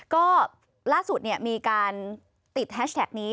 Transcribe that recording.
ก็ล่าสุดมีการติดแฮชแท็กนี้